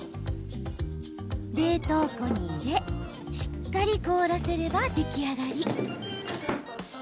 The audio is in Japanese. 冷凍庫に入れしっかり凍らせれば出来上がり。